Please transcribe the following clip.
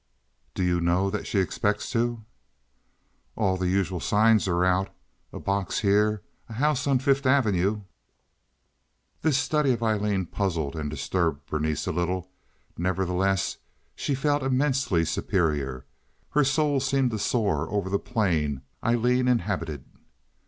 "Do you know that she expects to?" "All the usual signs are out—a box here, a house on Fifth Avenue." This study of Aileen puzzled and disturbed Berenice a little. Nevertheless, she felt immensely superior. Her soul seemed to soar over the plain Aileen inhabited.